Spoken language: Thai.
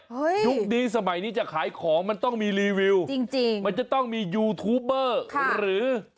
ยุคนี้สมัยนี้จะขายของมันต้องมีรีวิวจริงจริงมันจะต้องมียูทูปเบอร์หรือ